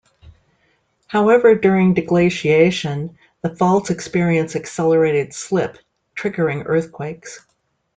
However, during deglaciation, the faults experience accelerated slip triggering earthquakes.